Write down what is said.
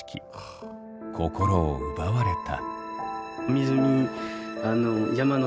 心を奪われた。